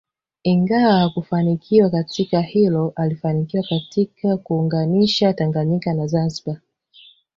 Ingawa hakufanikiwa katika hilo alifanikiwa katika kuunganisha Tanganyika na Zanzibar